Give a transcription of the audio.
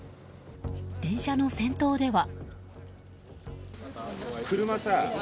電車の先頭では。